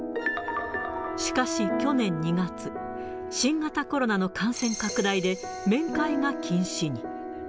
しかし去年２月、新型コロナの感染拡大で、面会が禁止に。